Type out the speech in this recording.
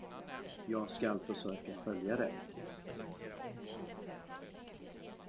Jag skall försöka följa det.